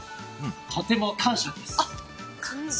とても感謝です。